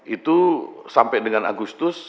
itu sampai dengan agustus